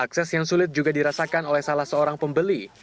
akses yang sulit juga dirasakan oleh salah seorang pembeli